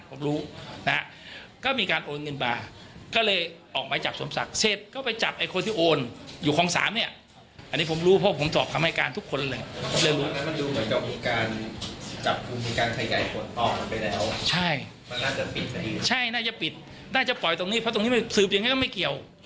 ใช่น่าจะปิดน่าจะปล่อยตรงนี้เพราะตรงนี้สืบอย่างไรก็ไม่เกี่ยว